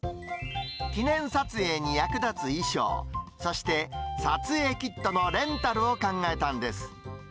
記念撮影に役立つ衣装、そして、撮影キットのレンタルを考えたんです。